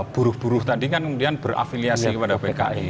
buruh buruh tadi kan kemudian berafiliasi kepada pki